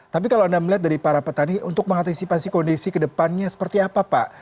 tapi kalau anda melihat dari para petani untuk mengantisipasi kondisi kedepannya seperti apa pak